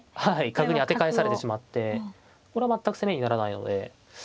角に当て返されてしまってこれは全く攻めにならないので。